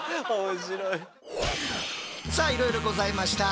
さあいろいろございました。